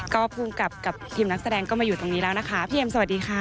ก็ภูมิกับกับทีมนักแสดงก็มาอยู่ตรงนี้แล้วนะคะพี่เอ็มสวัสดีค่ะ